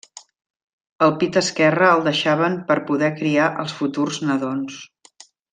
El pit esquerre el deixaven per poder criar els futurs nadons.